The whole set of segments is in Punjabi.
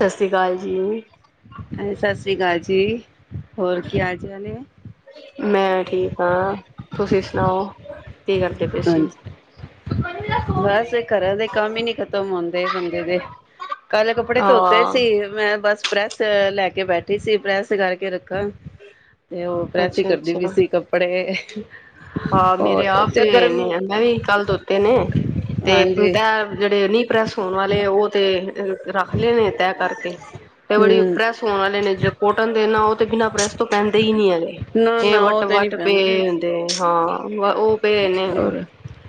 ਸਤਿ ਸ੍ਰੀ ਅਕਾਲ ਜੀ। ਹਾਂਜੀ ਸਤਿ ਸ਼੍ਰੀ ਅਕਾਲ ਜੀ। ਹੋਰ ਕੀ ਹਾਲ ਚਾਲ ਏ। ਮੈਂ ਠੀਕ ਆਂ। ਤੁਸੀਂ ਸੁਣਾਔ। ਹਾਂਜੀ, ਬਸ ਘਰਾਂ ਦੇ ਕੰਮ ਹੀ ਨੀ ਖਤਮ ਹੁੰਂਦੇ ਬੰਦੇ ਦੇ, ਕੱਲ ਏ ਕੱਪੜੇ ਧੋਤੇ ਹਾਂ, ਸੀ, ਮੈਂ ਬਸ ਪ੍ਰੈਸ ਲੈ ਕੇ ਬੈਠੀ ਸੀ, ਪ੍ਰੈਸ ਕਰਕੇ ਰੱਖਾ ਤੇ ਉਹ ਪ੍ਰੈਸ ਹੀ ਕਰਦੀ ਪਈ ਅੱਛਾ-ਅੱਛਾ। ਸੀ ਕੱਪੜੇ ਠੀਕ ਹੈ ਹਾਂ, ਮੇਰੇ ਆਪ ਤੇ ਮੈਂ ਵੀ ਕੱਲ ਧੋਤੇ ਨੇ, ਤੇ ਹਾਂਜੀ ਤੈਯ ਜਿਹੜੇ ਨਹੀ ਹੋਣ ਵਾਲੇ ਐ, ਔ ਤੇ ਰੱਖ ਲਏ ਨੇ, ਤੈਯ ਕਰਕੇ। ਤੇ ਬੜੀ ਹਮ ਪ੍ਰੈਸ ਹੋਣ ਵਾਲੇ ਨੇ, ਜਿਹ ਪੋਟਲ ਦੇ ਨਾ, ਔ ਬਿਨਾਂ ਪ੍ਰੈਸ ਤੋਂ ਪੈਂਦੇ ਹੀ ਨਹੀਂ ਹੈਗੇ, ਨਾ ਜੇ ਨਾ ਵੱਟੋ ਵੱਟ ਪਏ ਹੁੰਦੇ ਨੇ। ਹਾਂ। ਉਹ ਪਏ ਨੇ। ਹੋਰ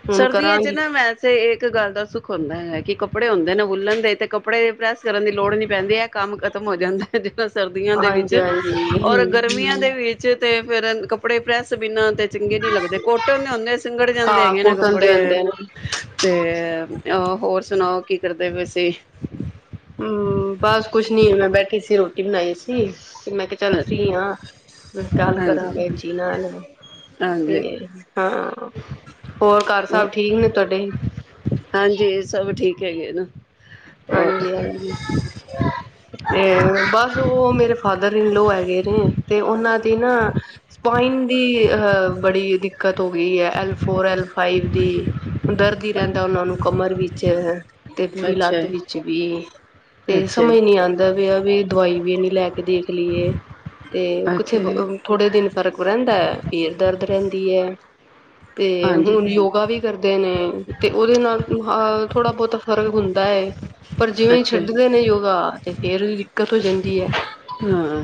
ਹੁਣ ਸਰਦੀਆਂ ਚ ਕਰਾਂਗੀ, ਨਾ, ਵੈਸੇ ਇੱਕ ਗੱਲ ਦਾ ਸੁੱਖ ਹੁੰਦਾ ਹੈ, ਕਿ ਕਪੜੇ ਕੱਪੜੇ ਹੁੰਦੇ ਨੇ ਵੂਲਣ ਦੇ, ਤੇ ਕੱਪੜੇ ਪ੍ਰੈਸ ਕਰਨ ਦੀ ਲੋੜ ਹੀ ਨਹੀਂ ਪੈਂਦੀ ਏ ਕੰਮ ਖਤਮ ਹੋ ਜਾਂਦਾ ਹੈ ਜਿਹੜਾ ਸਰਦੀਆਂ ਦੇ ਵਿੱਚ, ਹਾਂਜੀ-ਹਾਂਜੀ, ਔਰ ਗਰਮੀਆਂ ਦੇ ਹੂੰ-ਹੂੰ। ਵਿੱਚ ਤੇ ਫੇਰ ਕੱਪੜੇ ਪ੍ਰੈਸ ਬਿਨਾਂ ਤੇ ਚੰਗੇ ਕੋਟਨ ਦੇ ਹੁੰਦੇ, ਸਿੰਗੜ ਜਾਂਦੇ ਹਾਂ, ਹੈਗੇ ਨੇ ਕੋਟਨ ਦੇ ਕੱਪੜੇ, ਹੁੰਦੇ ਨੇ। ਤੇ ਔ, ਹੋਰ ਸੁਣਾਓ ਕੀ ਕਰਦੇ ਪਏ ਸੀ। ਕਿਸੀ ਹੋਰ ਹੁਣ ਆਈ ਸੀ, ਮੈਂ ਕਿਹਾ ਚੱਲ ਫ੍ਰੀ ਆਂ, ਗੱਲ ਕਰਾਂ ਹਾਂਜੀ, ਭੈਣ ਜੀ ਨਾਲ, ਹਾਂਜੀ। ਤੇ ਹਾਂ, ਹੋਰ ਘਰ ਸਬ ਠੀਕ ਨੇ ਤੁਹਾਡੇ। ਕਿਥੇ ਗਏ ਨ ਹੋਰ ਹਾਂਜੀ ਹਾਂਜੀ ਬਸ ਔ ਮੇਰੇ ਫਾਦਰ ਇਨ ਲਾ ਹੈਗੇ ਨੇ, ਤੇ ਉਹਨਾਂ ਦੀ ਨਾ ਸਪਾਈਨ ਦੀ ਅਹ ਬੜੀ ਦਿੱਕਤ ਹੋ ਗਈ ਹੈ, ਐਲ ਫੋਰ ਐਲ ਸਪਾਇਨ ਦੀ ਦਰਦ ਹੀ ਰਹਿੰਦਾ ਉਹਨਾਂ ਨੂੰ ਕਮਰ ਵਿੱਚ, ਤੇ ਪੂਰੀ ਅੱਛਾ ਲਾਤ ਜੀ, ਜਿਵੇੰ ਤੇ ਅੱਛਾ ਜੀ, ਸਮਝ ਨੀ ਆਉਂਦਾ ਪਯਾ, ਵੀ ਦਵਾਈ ਵੀ ਇਹ ਨੇ ਲੈ ਕੇ ਦੇਖ ਲਈ ਏ, ਤੇ ਅੱਛਾ ਕਿੱਥੇ ਜੀ, ਥੋੜੇ ਦਿਨ ਫ਼ਰਕ ਕੁ ਰਹਿੰਦਾ ਫੇਰ ਦਰਦ ਰਹਿੰਦਾ ਕੀ ਹੈ ਤੇ ਹਾਂਜੀ ਹੁਣ ਯੋਗਾ ਵੀ ਕਰਦੇ ਨੇ, ਤੇ ਔਦੇ ਨਾਲ ਅ ਥੋੜਾ ਬਹੁਤਾ ਫ਼ਰਕ ਹੁੰਦਾ ਪਰ ਜਿਵੇਂ ਹੀ ਅੱਛਾ ਜੀ। ਛੱਡਦੇ ਨੇ ਯੋਗਾ, ਤੇ ਫੇਰ ਵੀ, ਹਾਂ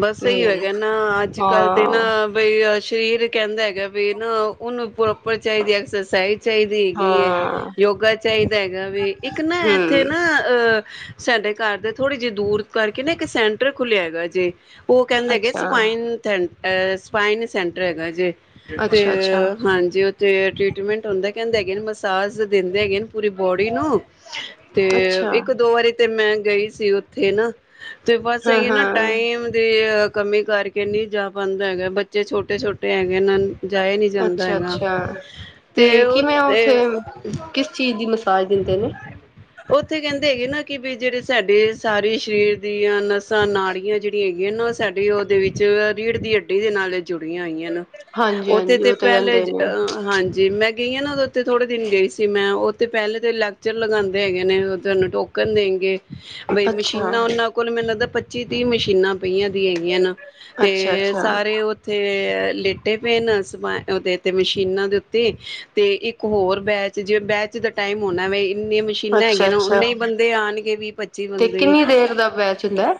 ਬਸ ਇਹੀ ਤੇ ਹੈ, ਨਾ ਅੱਜ ਕੱਲ੍ਹ ਤੇ ਨਾ ਹਾਂ ਬਈ। ਸਰੀਰ ਕਹਿੰਦਾ ਹੈਗਾ ਵੀ ਨਾ ਉਹਨੂੰ ਪ੍ਰੋਪਰ ਚਾਹੀਦੀ ਐਕਸਰਸਾਈਜ਼ ਚਾਹੀਦੀ ਹੈਗੀ ਹੈ, ਹਾਂ ਯੋਗਾ ਚਾਹੀਦਾ ਹੈਗਾ, ਵੀ ਇੱਕ ਨਾ ਇੱਥੇ ਹਮ ਨਾ ਅਹ ਸਾਡੇ ਘਰ ਦੇ ਥੋੜ੍ਹੀ ਜਿਹੀ ਦੂਰ ਕਰਕੇ ਨਾ ਇੱਕ ਸੈਂਟਰ ਖੁੱਲਿਆ ਹੈਗਾ ਜੇ। ਉਹ ਕਹਿੰਦੇ ਹੈਗੇ ਅੱਛਾ ਸਫਾਈਨ ਥ ਸਪਾਈਨ ਸੈਂਟਰ ਹੈਗਾ ਜੇ, ਤੇ ਅੱਛਾ ਅੱਛਾ ਹਾਂਜੀ, ਤੇ ਟਰੀਟਮੈਂਟ ਹੁੰਦਾ ਕਹਿੰਦੇ ਹੈਗੇ ਮਸਾਜ ਦਿੰਦੇ ਹੈਗੇ ਪੂਰੀ ਬੋਡੀ ਨੂੰ ਤੇ ਅੱਛਾ ਇੱਕ ਦੋ ਵਾਰੀ ਤੇ ਮੈਂ ਗਈ ਸੀ ਉੱਥੇ ਨਾ, ਤੇ ਬਸ ਹਾਂ ਐਈ ਨਾ ਹਾਂ ਟਾਈਮ ਦੇ ਕਮੀ ਕਰਕੇ ਨਹੀਂ ਜਾ ਪਾਦਾ ਹੈਗਾ, ਬੱਚੇ ਛੋਟੇ-ਛੋਟੇ ਹੈਗੇ ਇਹ ਅੱਛਾ-ਅੱਛਾ, ਤੇ ਕਿਵੇਂ ਉਹ ਉੱਥੇ ਕਿਸ ਚੀਜ਼ ਦੀ ਮਸਾਜ ਦਿੰਦੇ ਨੇ ਉੱਥੇ ਕਹਿੰਦੇ ਹੈਗੇ ਨਾ ਕਿ ਵੀ ਜਿਹੜੇ ਸਾਡੇ ਸਾਰੇ ਸਰੀਰ ਦੀਆਂ ਨਸਾਂ ਨਾੜੀਆਂ ਜਿਹੜੀਆਂ ਹੈਗੀਆਂ ਨਾ ਸਾਡੀੇ ਉਹਦੇ ਵਿੱਚ ਰੀੜ ਦੀ ਹੱਡੀ ਦੇ ਨਾਲ ਜੁੜੀਆਂ ਹੋਈਆਂ ਨਾ ਹਾਂਜੀ ਉੱਥੇ ਹਾਂਜੀ ਤੇ ਉਹ ਪਹਿਲੇ ਕਹਿੰਦੇ ਨੇ ਹਾਂਜੀ ਮੈਂ ਗਈਆਂ ਨਾ ਉਹਦੇ ਉੱਥਤੇ ਥੋੜੇ ਦਿਨ ਗਈ ਸੀ, ਮੈਂ ਉੱਥੇ ਪਹਿਲੇਾਂ ਤਾਂ ਲੈਕਚਰ ਲਗਾਦੇ ਹੈਗੇ ਨੇ ਉਹ ਤੁਹਾਨੂੰ ਟੋਕਨ ਦੇਣਗੇ। ਬਈ ਅੱਛਾ ਮਸ਼ੀਨਾ ਉਹਨਾਂ ਮੈਨੂੰ ਲੱਗਦਾ ਪੱਚੀ ਤੀਹ ਮਸ਼ੀਨਾਂ ਪਈਆਂ ਦੀ ਹੈਗੀਆਂ ਨੇ ਤੇ ਅੱਛਾ ਅੱਛਾ ਸਾਰੇ ਉੱਥੇ ਲੇਟੇ ਪਏ ਨੇ ਸ ਉਹਦੇ ਤੇ ਮਸ਼ੀਨਾਂ ਦੇ ਉੱਤੇ ਤੇ ਇੱਕ ਹੋਰ ਬੈਚ ਜੇ ਬੈਚ ਦਾ ਟਾਈਮ ਹੋਣਾ ਵ ਇਨੀਆਂ ਮਸ਼ੀਨਾਂ ਅੱਛਾ ਹੈਗੀਆਂ, ਅੱਛਾ ਉਨੇ ਬੰਦੇ ਆਣਗੇ ਵੀਹ ਪੱਚੀ ਤੇ ਬੰਦੇ ਕਿੰਨੀ ਦੇਰ ਦਾ ਬੈਚ ਹੁੰਦਾ ਹੈ?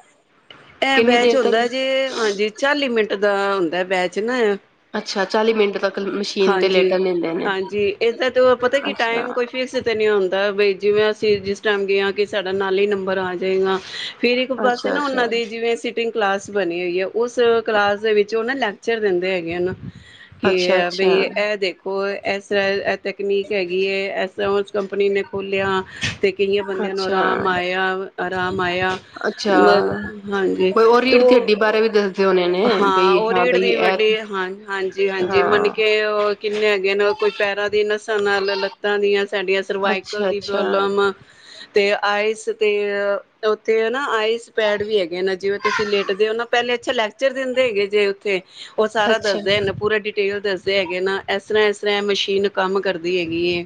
ਐ ਕਿੰਨੀ ਬੈਚ ਦੇਰ ਤੱਕ ਹੁੰਦਾ ਜੇ ਹਾਂਜੀ ਚਾਲੀ ਮਿੰ ਐਦਾ ਹੁੰਦਾ ਬੈਚ ਨਾ ਅੱਛਾ ਚਾਲੀ ਮਿੰਟ ਤੱਕ ਮਸ਼ੀਨ ਤੇ ਲੇਟਣ ਦਿੰਦੇ ਨੇ ਹਾਂਜੀ-ਹਾਂਜੀ, ਇਹਦਾ ਤੇ ਪਤਾ ਕੀ ਅੱਛਾ ਟਾਈਮ ਕੋਈ ਫਿਕਸ ਤੇ ਨੀ ਹੁੰਂਦਾ ਬ ਜਿਵੇਂ, ਅਸੀਂ ਜਿਸ ਟਾਈਮ ਗਏ ਹਾਂ ਕਿ ਸਾਡਾ ਨਾਲ ਹੀ ਨੰਬਰ ਆਜੇਗਾ। ਫਿਰ ਇੱਕ ਪਾਸੇ ਅੱਛਾ ਨਾ ਉਹਨਾਂ ਅੱਛਾ ਦੀ ਜਿਵੇਂ ਸਿਟਿੰਗ ਕਲਾਸ ਬਣੀ ਹੋਈ ਹੈ ਉਸ ਕਲਾਸ ਦੇ ਵਿੱਚ ਉਹ ਨਾ ਲੈਕਚਰ ਦਿੰਦੇ ਹੈਗੇ ਹਨ। ਕਿ ਅੱਛਾ ਬਈ ਅੱਛਾ ਇਹ ਦੇਖੋ ਇਸ ਤਰ੍ਹਾਂ ਤਕਨੀਕ ਹੈਗੀ ਹੈ ਇਸ ਤਰ੍ਹਾਂ ਕੰਪਨੀ ਨੇ ਖੋਲਿਆ। ਕਿਆਂ ਬੰਦੇ ਨੂੰ ਅੱਛਾ ਆਰਾਮ ਆਇਆ ਅਰਾਮ ਆਇਆ। ਅੱਛਾ ਹਾਂਜੀ ਕੋਈ ਉਹ ਤੇ ਰੀੜ ਦੀ ਹੱਡੀ ਬਾਰੇ ਵੀ ਦੱਸਦੇ ਹੋਣੇ ਨੇ ਹਾਂ ਬਈ ਓ ਰੀੜ ਬਈ ਦੀ ਇਹ ਵੱਡੀ ਹਾਂ ਹਾਂਜੀ ਹਾਂਜੀ ਮੰਨ ਹਾਂ ਕੇ ਕਿੰਨੇ ਹੈਗੇ ਨੇ ਕੋਈ ਪੈਰਾਂ ਦੀ ਨਸਾਂ ਨਾਲ ਲੱਤਾਂ ਦੀਆਂ ਸਾਡੀਆਂ ਸਰਵਾਈਕਲ ਅੱਛਾ ਦੀ ਅੱਛਾ ਪ੍ਰੋਬਲਮ ਤੇ ਆਈਸ ਤੇ ਉੱਥੇ ਨਾ ਆਈਸ ਪੈਡ ਵੀ ਹੈਗੇ ਜਿਵੇਂ ਤੁਸੀਂ ਲੇਟਦੇ ਹੋ ਨਾ ਪਹਿਲੇ ਅੱਛਾ ਲੈ ਫ਼ਿਰ ਦਿੰਦੇ ਹੈਗੇ ਜੇ ਉੱਥੇ ਉਹ ਸਾਰਾ ਅੱਛਾ ਦੱਸਦੇ ਨਾ ਪੂਰੇ ਡਟੇਲ ਦੱਸਦੇ ਹੈਗੇ ਨਾ ਇਸ ਤਰ੍ਹਾਂ ਇਸ ਤਰ੍ਹਾਂ ਇਹ ਮਸ਼ੀਨ ਕੰਮ ਕਰਦੀ ਹੈਗੀ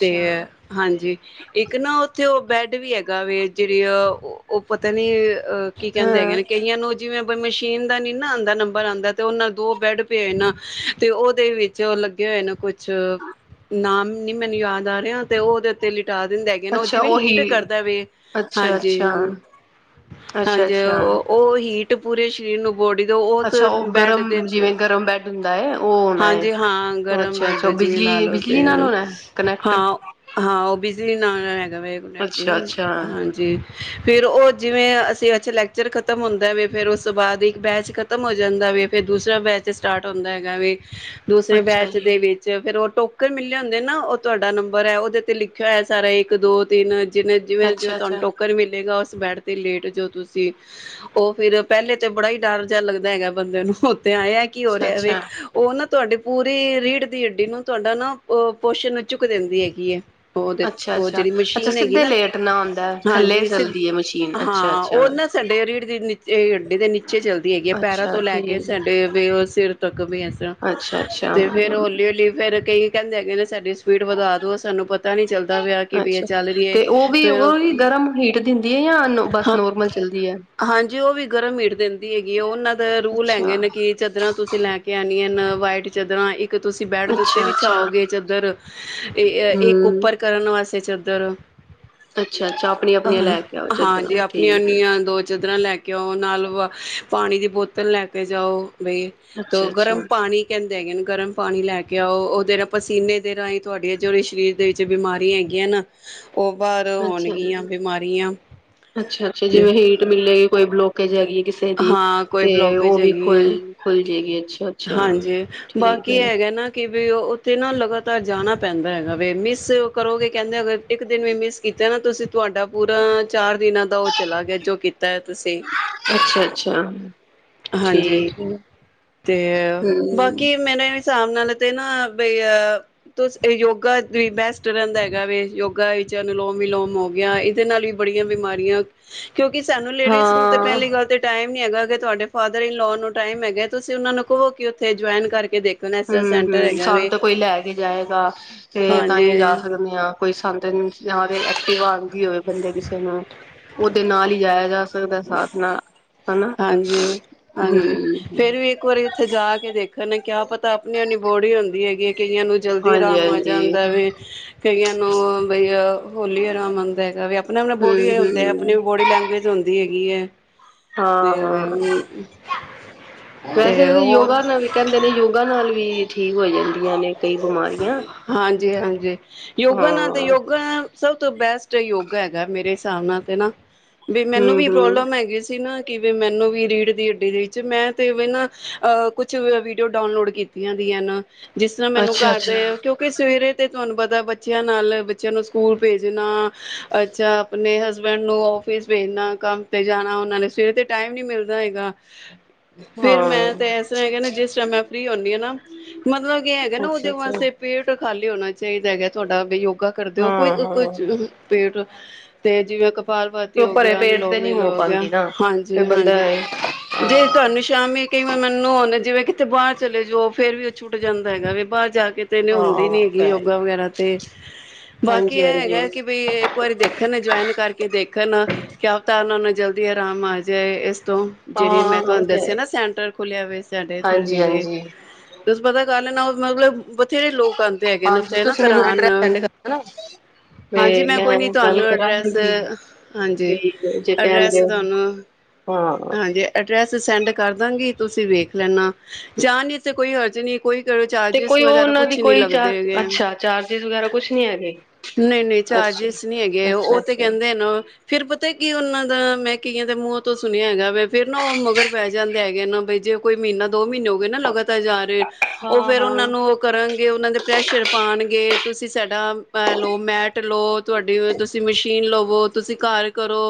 ਤੇ ਹਾਂਜੀ ਇੱਕ ਨਾ ਉਹ ਬੈਡ ਵੀ ਹੈਗਾ ਵ ਜਿਹੜੀ ਆ ਉਹ ਪਤਾ ਨੀ ਅਹ ਕੀ ਕਹਿੰਦੇ ਹੈਗੇ ਹਾਂ ਨੇ ਕਹੀਆਂ ਨੂੰ ਜਿਵੇਂ ਮਸ਼ੀਨ ਦਾ ਨੀ ਨਾ ਆਉਂਦਾ ਨੰਬਰ ਆਉਂਦਾ ਤੇ ਉਹ ਨਾ ਦੋ ਬੈੱਡ ਪਏ ਨਾ ਤੇ ਉਹਦੇ ਵਿੱਚ ਉਹ ਲੱਗੇ ਹੋਏ ਨੇ ਕੁਛ ਨਾਮ ਨੀ ਮੈਨੂੰ ਯਾਦ ਆ ਰਿਹਾ ਤੇ ਉਹਦੇ ਉੱਤੇ ਲਿਖੇ ਟਾ ਦਿੰਦਾ ਹੈਗੇ ਨਾ ਉਹ ਅੱਛਾ ਜਿਵੇਂ ਉਹੀ ਹੀਟ ਕਰਦਾ ਵੇ ਅੱਛਾ ਹਾਂਜੀ ਅੱਛਾ ਅੱਛਾ ਹਾਂਜੀ ਅੱਛਾ ਉਹ ਉਹ ਹੀਟ ਪੂਰੇ ਸਰੀਰ ਨੂੰ ਬੋਡੀ ਦੇ ਉਸ ਅੱਛਾ ਉਹ ਬੈਡ ਦੇ ਗਰਮ ਉਤੇ ਜਿਵੇਂ ਗਰਮ ਬੈਡ ਹੁੰਦਾ ਹੈ ਉਹ ਹੋਣਾ ਹੈ ਹਾਂਜੀ ਹਾਂ ਗਰਮ ਅੱਛਾ ਬੈਡ ਅੱਛਾ ਜਿਵੇਂ ਲਾ ਬਿਜਲੀ ਲੋ ਤੇ ਬਿਜਲੀ ਨਾਲ ਹੋਣਾ ਕਨੈਕਟ ਹਾਂ ਹਾਂ ਉਹ ਵੀ ਜੀ ਨਾਲ ਹੈਗਾ ਹੋਵੇ ਕਨੈਕਟ ਨ ਅੱਛਾ-ਅੱਛਾ, ਅੱਛਾ ਹਾਂਜੀ ਫਿਰ ਉਹ ਜਿਵੇਂ ਅਸੀਂ ਅੱਛਾ ਲੈਕਚਰ ਖਤਮ ਹੁੰਦਾ ਵਵੇ ਫਿਰ ਉਸ ਤੋਂ ਬਾਅਦ ਇੱਕ ਬੈਚ ਖਤਮ ਹੋ ਜਾਂਦਾ ਵਵੇ ਫਿਰ ਦੂਸਰਾ ਬੈਚ ਸਟਾਰਟ ਹੁੰਦਾ ਹੈਗਾ ਵੀ ਹ [unintelligible] ਦੂਸਰੇ ਅੱਛਾ ਬੈਚ ਜੀ, ਦੇ ਵਿੱਚ ਫੇਿਰ ਉਹ ਟੋਕਨ ਮਿਲਲੇ ਹੁੰਦੇ ਨਾ ਉਹ ਤੁਹਾਡਾ ਨੰਬਰ ਹੈ ਉਹਦੇ ਤੇ ਲਿਖਿਆ ਹੋਇ ਸਾਰਾ ਇੱਕ ਦੋ ਤਿੰਨ ਜਿਵੇਂ ਜਿਵੇਂ ਜੋ ਤੁਹਾਨੂੰ ਅੱਛਾ-ਅੱਛਾ, ਅੱਛਾ-ਅੱਛਾ। ਟੋਕਨ ਮਿਲੇਗਾ ਉਸ ਬੈਡ ਤੇ ਲੇਟ ਜੋ ਤੁਸੀਂ ਉਹ ਫਿਰ ਪਹਿਲੇ ਤੇ ਬੜਾ ਹੀ ਡਰ ਜਿਹਾ ਲੱਗਦਾ ਹੈਗਾ ਬੰਦੇ ਨੂੰ ਤੇ ਆਇਆ ਕੀ ਹੋ ਅੱਛਾ-ਅੱਛਾ, ਰਿਹਾ ਨਾ ਤੁਹਾਡੀ ਪੂਰੀ ਰੀੜ ਦੀ ਅੱਡੀ ਨੂੰ ਤੁਹਾਡਾ ਨਾ ਪੋਸ਼ਣ ਝੁਕ ਦਿੰਦੀ ਹੈਗੀ ਹੈ ਉਹਦੇ ਅੱਛਾ ਅੱਛਾ ਉਹ ਅੱਛਾ ਜਿਹੜੀ ਅੱਛਾ ਮਸ਼ੀਨ ਹੈਗੀ ਸਿੱਧੇ ਨਾ ਲੇਟਨਾ ਹੁੰਦਾ ਥੱਲੇ ਹਾਂਜੀ ਚੱਲਦੀ ਏ ਮਸ਼ੀਨ ਹਾਂ ਅੱਛਾ-ਅੱਛਾ। ਉਹ ਨਾ ਸਾਡੇ ਰੀੜ ਦੀ ਇਹ ਅੱਡੇ ਤੇ ਨ ਅੱਛੇ ਚੱਲਦੀ ਹੈਗੀ ਆ ਅੱਛਾ ਪੈਰਾਂ ਅੱਛਾ ਤੋਂ ਲੈ ਕੇ ਠੀਕ, ਸਾਡੇ ਵੇ ਸਿਰ ਤੱਕ ਵੀ ਅੱਛ ਤੇ ਫੇਰ ਹੌਲੀ ਹੌਲੀ ਫੇਰ ਕਈ ਕਹਿੰਦੇ ਹੈਗੇ ਨੇ ਸਾਡੀ ਸਪੀਡ ਵਧਾ ਦੋ ਸਾਨੂੰ ਪਤਾ ਨੀ ਚੱਲਦਾ ਪਿਆ ਕਿ ਵੀ ਇਹ ਅੱਛਾ ਚੱਲ ਰਹੀ ਹੈ ਤੇ ਉਹ ਵੀ ਉਹ ਫੇਰ ਗਰਮ ਹੀਟ ਦਿੰਦੀ ਹੈ ਯਾ ਬਸ ਨੋਰਮਲ ਚੱਲਦੀ ਹੈ? ਹਾਂਜੀ ਉਹ ਵੀ ਗਰਮ ਮੀਟ ਦਿੰ ਦੀ ਹੈਗੀ ਏ ਉਹਨਾਂ ਦੇ ਰੂਲ ਹੈਗੇ ਅੱਛਾ, ਨੇ ਕਿ ਚਦਰਾਂ ਤੁਸੀਂ ਲੈ ਕੇ ਆਉਣੀਆਂ ਵਾਈਟ ਚਾਦਰਾਂ ਇੱਕ ਤੇ ਤੁਸੀਂ ਬੈਡ ਦੇ ਉੱਤੇ ਵੀ ਅੱਛਾ-ਅੱਛਾ, ਛਾਓਗੇ ਚੱਦਰ ਇਹ ਇੱਕ ਹੂੰ। ਉੱਪਰ ਕਰਨ ਵਾਸਤੇ ਸੇ ਚੌਦਰ ਅੱਛਾ-ਅੱਛਾ ਆਪਣੀਆਂ-ਆਪਣੀਆਂ ਲੈ ਕੇ ਆਓ ਚੱਦਰਾ ਠੀਕ ਹੈ ਚਦਰਾਂ ਲੈ ਕੇ ਆਓ ਨਾਲ ਵ ਪਾਣੀ ਦੀ ਬੋਤਲ ਲੈ ਕੇ ਜਾਓ ਬਈ ਤ ਗਰਮ ਅੱਛਾ-ਅੱਛਾ, ਕੀ ਕਹਿੰਦੇ ਹੈਗੇ ਨ ਗਰਮ ਪਾਣੀ ਲੈ ਕੇ ਆਓ ਉਹਦੇ ਨਾਲ ਪਸੀਨੇ ਦੇ ਰਾਹੀਂ ਤੁਹਾਡੀਆਂ ਜੋਹ ਸਰੀਰ ਦੇ ਵਿੱਚ ਬਿਮਾਰੀਆਂ ਹੈਗੀਆਂ ਨਾ ਉਹ ਬਾਹਰ ਅੱਛਾ ਹੋਣਗੀਆਂ ਬਿਮਾਰੀਆਂ ਅੱਛਾ-ਅੱਛਾ ਤੇ ਜਿਵੇਂ ਹੀਟ ਮਿਲੇਗੀ ਕੋਈ ਬਲੋਕ [inaudible] ਕਿਸੇ ਦੀ ਹਾਂ ਕੋਈ ਤੇ ਉਹ ਬਲੋਕੇਜ ਵੀ ਹੈਗੀ ਖੁੱਲ ਹੈ ਖੁੱਲ ਜੇਗੀ ਹਾਂਜੀ ਬਾਕੀ ਹੈਗਾ ਨਾ ਕਿ ਵੀ ਉੱਥੇ ਨਾ ਲਗਾਤਾਰ ਜਾਣਾ ਪੈਂਦਾ ਹੈਗਾ ਵ ਮਿਸ ਕਰੋਗੇ ਕਹਿੰਦੇ ਅਗਰ ਇੱਕ ਦਿਨ ਵੀ ਮਿਸ ਕੀਤਾ ਨਾ ਤੁਸੀਂ ਤੁਹਾਡਾ ਪੂਰਾ ਚਾਰ ਦਿਨਾਂ ਦਾ ਉਹ ਚਲਾ ਗਿਆ ਜੋ ਕੀਤਾ ਹੈ ਤੁਸੀਂ, ਅੱਛਾ-ਅੱਛਾ ਹਾਂਜੀ ਠੀਕ ਹੈ ਤੇ ਹੂੰ ਬਾਕੀ ਮੇਰੇ ਹਿਸਾਬ ਨਾਲ ਤੇ ਨਾ ਬ ਅ [unintelligible] ਯੋਗਾ ਬੈਸਟ ਰਹਿੰਦਾ ਹੈਗਾ ਵੇ ਯੋਗਾ ਵਿੱਚ ਅਨੁਲੋਮ ਵਿਲੋਮ ਹੋ ਗਿਆ ਇਹਦੇ ਨਾਲ ਵੀ ਬੜੀਆਂ ਬਿਮਾਰੀਆਂ ਕਿਉਂਕਿ ਸਾਨੂੰ ਲੇਡੀਜ਼ ਨੂੰ ਤੇ ਹਾਂ ਪਹਿਲੀ ਗੱਲ ਤੇ ਟਾਈਮ ਨੀ ਹੈਗਾ ਤੁਹਾਡੇ ਫਾਦਰ ਇਨ-ਲੋ ਨੂੰ ਟਾਈਮ ਹੈਗੇ ਤੁਸੀਂ ਉਹਨਾਂ ਨੂੰ ਕਹੋ ਕਿ ਉੱਥੇ ਜੁਆਇਨ ਕਰਕੇ ਦੇਖ ਹਮ-ਹਮ ਸੰਨ ਤੇ ਕੋਈ ਲੈ ਕੇ ਜਾਏਗਾ ਤੇ ਹਾਂਜੀ, ਤਾਂਹੀ ਜਾ ਸਕਦੇ ਹਾਂ ਕੋਈ ਸੰਨ ਜ ਤੇ ਐਕਟਿਵਾ ਆਂਦੀ ਹੋਏ ਕਿਸੇ ਨਾਲ ਔਦੇ ਨਾਲ ਈ ਜਾਯਾ ਜਾ ਸਕਦੈ ਸਾਥ ਨਾਲ। ਹਨਾ ਹਾਂਜੀ ਹਾਂਜੀ, ਫੇਰ ਹੂੰ ਵੀ ਇੱਕ ਵਾਰੀ ਉੱਥੇ ਜਾ ਕੇ ਦੇਖ ਖਣੇ ਕਿਆ ਪਤਾ ਅਪਣੀ ਅਪਨੀ ਬੋੜੀ ਹੋੰਦੀ ਹੈਗੀ ਏ ਏਕ ਕਈਆਂ ਨੂੰ ਜਲਦੀ ਆਰਾਮ ਆ ਹਾਂਜੀ-ਹਾਂਜੀ ਜਾਂਦਾ ਵੇ ਕਈਆਂ ਨੂੰ ਬਈ ਅ ਹੋਲੀ ਆਰਾਮ ਆਂਦਾ ਹੈਗਾ ਵੇ ਆਪਣਾ ਅਪਣਾ ਬੋਡੀ ਐ ਹੁੰਦੈ ਹੂੰ-ਹੂੰ ਅਪਣੀ ਬੋਡੀ ਲੈਂਗੁਏਜ ਹੁੰਦੀ ਹੈਗ ਹੈਗੀ ਐਂ ਹਾਂ ਹਾਂ ਵੈਸੇ ਤੇ ਯੋਗਾ ਨਾਲ ਵੀ ਕੈੰਦੇ ਨੇ ਯੋਗਾ ਨਾਲ ਵੀ ਵੀ ਠੀਕ ਹੋ ਜਾਂਦੀਆਂ ਨੇ ਕਈ ਬਿਮਾਰੀਆਂ ਜੀ ਹਾਂਜੀ ਯੋਗਾ ਨਾ ਤੇ ਹਾਂ ਯੋਗਾ ਸਭ ਤੋਂ ਬੈਸਟ ਯੋਗ ਹੈਗਾ ਮੇਰੇ ਸਾਬ ਨਾਲ ਤੇ ਨਾ। ਵੀ ਹੂੰ ਮੈਨੂੰ ਵੀ ਹੂੰ ਪ੍ਰੋਬਲਮ ਹੈਗੀ ਸੀ ਨਾ ਕਿਵੇਂ ਮੈਨੂੰ ਵੀ ਰੀੜ ਦੀ ਹੱਡੀ ਦੇ ਵਿੱਚ ਮੈਂ ਤੇ ਵਨਾ ਕੁਝ ਵੀਡੀਓ ਡਾਊਨਲੋਡ ਕੀਤੀਆਂ ਦੀ ਨਾ ਜਿਸ ਤਰ੍ਹਾਂ ਮੈਨੂੰ ਅੱਛਾ ਘਰ ਅੱਛਾ ਕਿਓਂਕਿ ਸਵੇਰੇ ਤੇ ਤੁਵਾਨੂੰ ਪਤੈ ਬੱਚਿਆਂ ਨਾਲ ਬੱਚਿਆਂ ਨੂੰ ਸਕੂਲ ਭੇਜਣਾ, ਅੱਛਾ, ਆਪਣੇ ਹਸਬੈਂਡ ਨੂੰ ਔਫਿਸ ਭੇਜਣਾ, ਕੰਮ ਤੇ ਜਾਣਾ ਔਨਾਂ ਨੇ ਸਵੇਰੇ ਤੇ ਟਾਈਮ ਨੀ ਮਿਲਦਾ ਹੈਗਾ। ਫਿਰ ਹਾਂ ਮੈਂ ਤੇ ਇਸ ਤਰਾਂ ਕਹਿੰਦਾ ਜਿਸ ਟਾਈਮ ਮੈਂ ਫਰੀ ਹੁੰਦੀ ਆ ਨਾ ਮਤਲਬ ਕਿ ਹੈਗਾ ਨਾ ਉਹਦੇ ਅੱਛਾ ਵਾਸਤੇ ਅੱਛਾ ਤੇ ਪੇਟ ਖਾਲੀ ਹੋਣਾ ਚਾਹੀਦਾ ਹੈਗੈ ਤੁਹਾਡਾ ਬਈ ਔ ਯੋਗਾ ਕਰਦੇ ਔ ਕੋਈ ਹਾਂ ਅ ਹਾਂ ਕੁਛ ਪੇਟ ਤੇ ਜਿਵੇਂ ਕਪ ਪਾਰ ਤੇ ਬਾਤੀ ਉਹ ਹੋ ਭਰੇ ਗਿਆ ਪੇਟ ਅਨਲੋ ਤੇ ਨਹੀਂ ਵਿਲੋ ਹੋ ਗਿਆ ਪਾਉਂਦੀ ਨਾ ਹਾਂਜੀ ਫਿਰ ਬੰਦਾ ਹਾਂਜੀ ਹਾਂ ਜੇ ਤੁਵਾਨੂੰ ਸ਼ਾਮੀ ਕਈ ਵਾਰ ਮੈਨੂੰ ਆਉਂਦਾ ਜਿਵੇਂ ਕਿਤੇ ਬਾਹਰ ਚਲੇ ਜਾਓ ਫਿਰ ਵੀ ਉਹ ਛੁੱਟ ਜਾਂਦਾ ਹੈਗਾ ਵੀ ਬਾਹਰ ਜਾ ਕੇ ਤੇਨੇ ਨੀ ਹੁੰਦੀ ਨੀ ਹੈਗੀ ਹਾਂ ਯੋਗਾ ਵਗੈਰਾ। ਤੇ ਬਾਕੀ ਹਾਂਜੀ ਇਹ ਹਾਂਜੀ ਹੈਗਾ ਕਿ ਬਈ ਇੱਕ ਵਾਰੀ ਦੇਖਣ ਨੇ ਜੁਆਇਨ ਕਰਕੇ ਦੇਖ ਖ ਨਾ ਕਿਆ ਪਤਾ ਓਨਾਂ ਨੂੰ ਜਲਦੀ ਆਰਾਮ ਆ ਜਾਏ ਏਸ ਤੋਂ ਜਿਹੜੇ ਹਾਂ ਮੈਂ ਉਹ ਤੁਹਾਨੂੰ ਤੇ ਦੱਸਿਆ ਹੈ। ਨਾ ਸੈਂਟਰ ਖੋਲਿਆ ਹੋਏ ਸੈਂਡੇ ਸਾਡੇ ਹਾਂਜੀ ਨੇੜੇ ਹਾਂਜੀ ਤੁਸੀਂ ਪਤਾ ਕਰ ਲੈਣਾ ਓ ਮਤਲਬ ਬਥੇਰੇ ਲੋਕ ਆਂਦੇ ਹੈਗੇ ਨੇ ਹਾਂਜੀ ਓਥੇ ਨਾ ਤੁਸੀਂ ਮੈਨੂੰ ਕਰਾਣ, ਐਡਰੈਸ ਸੈਂਡ ਕਰ ਨਾ ਤੇ ਹਾਂਜੀ ਮੈਂ ਕੋਈ ਨੀ ਗੱਲ ਤੁਵਾਨੂੰ ਕਰਾਂਗੀ ਅਡਰੈਸ ਵੀ ਹਾਂਜੀ ਜੇ ਅਡਰੈਸ ਕਹਿਣਗੇ ਤੁਵਾਨੂੰ ਹਾਂ ਹਾਂਜੀ ਅਡਰੈਸ ਸੈਂਡ ਕਰ ਦਾਂਗੀ ਤੁਸੀਂ ਵੇਖ ਲੈਣਾ ਜਾਂ ਨੀ ਤੇ ਕੋਈ ਹਰਜ਼ ਨੀ ਕੋਈ ਕਰੋ ਤੇ ਚਾਰਜਿਸ ਕੋਈ ਵਗੈਰਾ ਉਹਨਾਂ ਦੀ ਕੁਛ ਨਹੀਂ ਕੋਈ ਚਾਰ, ਲੱਗਦੇ ਹੈਗੇ ਅੱਛਾ ਚਾਰਜਿਸ ਵਗੈਰਾ ਕੁਛ ਨੀ ਹੈਗੇ ਨਹੀਂ-ਨਹੀਂ ਅੱਛਾ ਚਾਰਜਿਸ ਅੱਛਾ ਅੱਛਾ। ਫੇਰ ਪਤਾ ਕੀ ਉਹਨਾਂ ਦਾ ਮੈਂ ਕਈਆਂ ਦੇ ਮੂੰਹਾਂ ਤੋਂ ਸੁਣਿਆ ਹੈਗਾ ਵੇ ਫੇਰ ਨਾ ਉਹ ਮਗਰ ਪੈ ਜਾਂਦੇ ਹੈਗੇ, ਨਾ ਬਈ ਜੇ ਕੋਈ ਮਹੀਨਾ ਦੋ ਮਹੀਨੇ ਹੋ ਗਏ ਨਾ ਲਗਾਤਾਰ ਜਾ ਉਹ ਹਾਂ ਫਿਰ ਉਹਨਾਂ ਹਾਂ ਨੂੰ ਕਰਨਗੇ ਉਹਨਾਂ ਦੇ ਪ੍ਰੈਸ਼ਰ ਪਾਉਣਗੇ ਤੁਸੀਂ ਸਾਡਾ ਅਹ ਲੋ ਮੈਟ। ਲਓ ਤੁਹਾਡੀ ਤੁਸੀਂ ਮਸ਼ੀਨ ਲਵੋ। ਤੁਸੀਂ ਘਰ ਕਰੋ।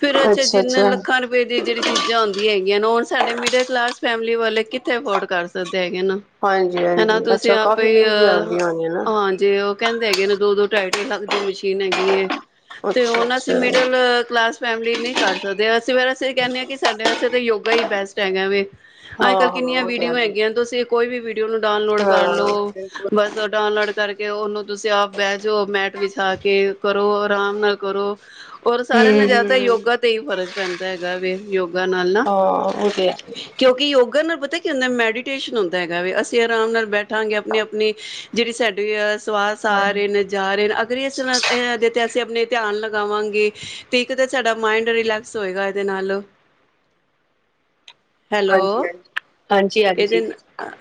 ਫਿਰ ਅੱਛਾ ਜਿੰਨੇ ਲੱਖਾਂ ਰੁਪਏ ਦੀ ਜਿਹੜੀ ਚੀਜ਼ਾਂ ਹੁੰਦੀਆਂ ਹੁਣ ਸਾਡੇ ਮਿਡਲ ਕਲਾਸ ਫੈਮਿਲੀ ਵਾਲੇ ਕਿੱਥੇ ਅਫੋਰਡ ਕਰ ਸਕ ਹਾਂਜੀ ਹਾਂਜੀ। ਅੱਛਾ ਆਪ ਕਾਫੀ ਹੀ ਮਹਿੰਗੀਆਂ ਅ ਆਉਂਦੀਆਂ ਹੋਣੀਆਂ ਨਾ ਹਾਂਜੀ ਉਹ ਕਹਿੰਦੇ ਹੈਗੇ ਨੇ ਦੋ ਦੋ ਦੋ ਟਾਈ ਲੱਖ ਲੱਗਦੀ ਮਸ਼ੀਨ ਹੈਗੀ ਏ। ਤੇ ਅੱਛਾ ਹੁਣ ਅਸੀਂ ਅੱਛਾ ਮਿਡਲ ਕਲਾਸ ਫੈਮਲੀ ਨਹੀਂ ਕਰ ਸਕਦੇ ਅਸੀਂ ਇਹ [unintelligible] ਆ ਕਿ ਸਾਡੇ ਵਾਸਤੇ ਤਾਂ ਯੋਗਾ ਹੀ ਬੈਸਟ ਹੈਗਾ ਵਾ ਅੱਜ ਹਾਂ ਕੱਲ ਹਾਂ ਕਿੰਨੀਆਂ ਉਹ ਤੇ ਹੈ ਵੀਡੀਓ ਹੈਗੀਆਂ ਤੁਸੀਂ ਕੋਈ ਵੀ ਫਿਰ ਉਹਨੂੰ ਡਾਨਲੋਡ ਕਰਲੋ ਹਾਂ ਬਿਲਕੁਲ ਬੱਸ ਡਾਊਨਲਡ। ਕਰਕੇ ਉਹਨੂੰ ਤੁਸੀਂ ਆਪ ਬਹਿ ਜਾਓ ਮੈਟ ਵਿਛਾ ਕੇ ਕਰੋ ਆਰਾਮ ਨਾਲ ਕਰੋ। ਔਰ ਸਾਰਿਆਂ ਨੂੰ ਹਮ ਜ਼ਿਆਦਾਤਰ ਹਮ ਯੋਗਾ ਤੇ ਹੀ ਫ਼ਰਕ ਪੈਂਦਾ ਹੈਗਾ ਵੈ। ਯੋਗ ਨਾਲ ਨਾ ਹਾਂ ਉਹ ਤੇ ਹੈ ਕਿਉਂਕਿ ਯੋਗਾ ਨਾਲ ਪਤਾ ਕੀ ਹੁੰਦਾ ਮੈਡੀਟੇਸ਼ਨ ਹੁੰਦਾ ਹੈਗਾ ਵੈ ਅਸੀਂ ਆਰਾਮ ਨਾਲ ਬੈ ਠਾਂਗੇ ਆਪਣੀ ਆਪਣੀ ਜਿਹੜੀ ਸਾਡੀ ਸਵਾਸ ਆ ਹਾਂਜੀ ਰਹੇ ਨੇ ਜਾ ਰਹੇ ਅਗਰ ਇਸ ਇਹਦੇ ਤੇ ਅਸੀਂ ਆਪਣੇ ਧਿਆਨ ਲਗਾਵਾਂਗੇ ਤੇ ਇੱਕ ਤੇ ਸਾਡਾ ਮਾਇੰਡ ਰਿਲੈਕਸ ਹੋਏਗਾ ਇਹਦੇ ਨਾਲ। ਹਾਂਜੀ ਹਾਂਜੀ ਹੈਲੋ, ਹਾਂਜੀ ਇਹਦੇ ਹਾਂਜੀ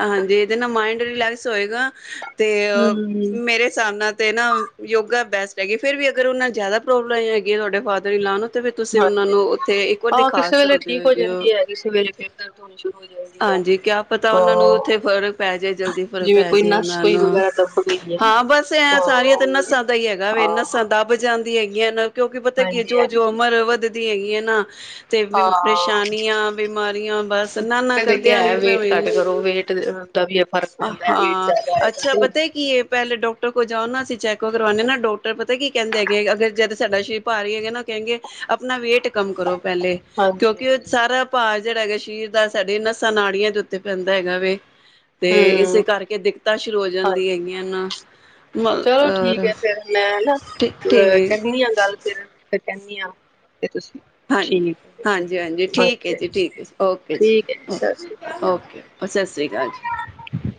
ਹਾਂਜੀ। ਇਹਦੇ ਨਾਲ ਮਾਇੰਡ ਰਿਲੈਕਸ ਹੋਏਗਾ। ਅਤੇ ਹਮ ਮੇਰੇ ਹਿਸਾਬ ਨਾਲ ਤੇ ਨਾ ਯੋਗਾ ਬੈਸਟ ਹੈਗੀ ਫੇਰ ਵੀ ਅਗਰ ਉਹਨਾਂ ਜ਼ਿਆਦਾ ਪ੍ਰੋਬਲ ਹੈਗੀ ਤੁਹਾਡੇ ਫਾਦਰ ਇਨ ਲਾਅ ਨੂੰ। ਤੇ ਫਿਰ ਤੁਸੀਂ ਉਹਨਾਂ ਹਾਂਜੀ ਨੂੰ ਉੱਥੇ ਇੱਕ ਵਾਰ ਹਾਂ ਦਿਖਾ ਕਿਸੇ ਵੇਲੇ ਸਕਦੇ ਠੀਕ ਹੈਗੇ ਹੋ ਜਾਂਦੀ ਹੈ ਕਿਸੇ ਵੇਲੇ ਫਿਰ ਦਰਦ ਹੋਣੀ ਸ਼ੁਰੂ ਹੋ ਜਾਂਦੀ ਹੈ ਹਾਂਜੀ ਕਿਆ ਪਤਾ ਉਹਨਾਂ ਨੂੰ ਹਾਂ ਉੱਥੇ ਫ਼ਰਕ ਪੈ ਜੇ। ਜਲਦੀ ਫਰਕ ਜਿਵੇਂ ਪੈ ਕੋਈ ਜੇ ਨਸ ਉਹਨਾਂ ਕੋਈ ਨੂੰ ਵਗੈਰਾ ਦੱਬ ਗਈ ਹੈ। ਹਾਂ ਬਸ ਐ ਸਾਰੀਆਂ ਤੇ ਹਾਂ ਨੱਸਾਂ ਦਾ ਹੀ ਹੈਗਾ ਵ ਨੱਸਾਂ ਦੱਬ ਜਾਣ। ਦੀ ਹੈਗੀਆਂ ਨਾ। ਕਿਉਂਕਿ ਪਤਾ ਕੀ ਐ ਹਾਂਜੀ ਜਿਉ ਜਿਉ ਹਾਂਜੀ ਉਂ ਦੀ ਹੈਗੀਆਂ ਨਾ। ਤੇ ਹਾਂ ਪਰੇਸ਼ਾਨੀਆਂ ਬਿਮਾਰੀਆਂ ਬਸ ਨਾ ਨਾ ਦੇਖਿਆ ਕਰਦਿਆਂ ਹੈ ਹੋ ਵੇਟ ਭਾਵੇਂ ਘੱਟ ਕਰੋ ਵੇਟ ਦਾ ਵੀ ਫ਼ਰਕ ਪੈਂਦਾ ਵੇਟ ਹਾਂ, ਜ਼ਿਆਦਾ ਆਏਗਾ ਅੱਛਾ ਤੇ ਪਤਾ ਕੀ ਇਹ ਪਹਿਲੇ ਡਾਕਟਰ ਕੋਲ਼ ਜਾਓ ਨਾ ਅਸੀਂ ਚੈੱਕਅਪ ਕਰਵਾਣੇ ਆ ਨਾ ਡਾਕਟਰ ਪਤਾ ਕੀ ਕਹਿੰਦੇ ਹੈਗੇ ਅਗਰ ਜਦ ਸਾਡਾ ਸ਼ਰੀਰ ਭਹੀ ਹੋਏਗਾ ਉਹ ਕਹਿੰਗੇ ਆਪਣਾ ਵੇਟ ਕੰਮ ਕਰੋ ਪਹਿਲੇ ਹਾਂਜੀ ਕਿਉਂਕਿ ਹਾਂਜੀ ਸਾਰਾ ਭਾ ਜਿਹੜਾ ਹੈਗਾ ਸ਼ਰ ਦਾ ਸਾਡੇ ਨਸਾਂ ਨਾੜੀਆਂ ਦੇ ਉੱਤੇ ਪੈਂਦਾ ਹੈਗਾ ਵ ਤੇ ਹਮ ਇਸੇ ਕਰਕੇ ਦਿੱਕਤਾਂ ਸ਼ੁਰੂ ਹੋ ਜਾਂਦੀਆਂ ਹਾਂਜੀ ਹੈਗੀਆਂ ਨਾ ਚਲੋ ਠੀਕ ਹੈ ਫੇਰ, ਮੈਂ ਬਸ ਅਹ ਕਰਨੀ ਆ ਗੱਲ ਫਿਰ। ਕਹਿਣੀ ਆ। ਹਾਂਜੀ ਹਾਂਜੀ ਹਾਂਜੀ ਠੀਕ ਹੈ ਜੀ, ਠੀਕ ਹੈ ਜੀ, ਓਕੇ ਠੀਕ ਹੈ ਜੀ ਸਤਿ ਸ਼੍ਰੀ ਅਕਾਲ ਓ ਓਕੇ ਸਤਿ ਸ੍ਰੀ ਅਕਾਲ ਜੀ।